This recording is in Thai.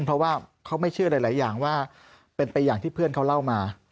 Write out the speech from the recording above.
เพราะว่าเขาไม่เชื่อหลายอย่างว่าเป็นไปอย่างที่เพื่อนเขาเล่ามา